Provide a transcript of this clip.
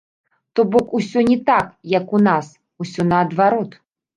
То бок усё не так, як у нас, усё наадварот.